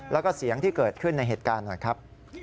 แล้วก็เสียงที่เกิดขึ้นในเหตุการณ์หน่อยครับ